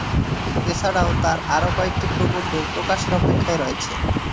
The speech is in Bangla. এছাড়াও তার আরো কয়েকটি প্রবন্ধ প্রকাশের অপেক্ষায় রয়েছে।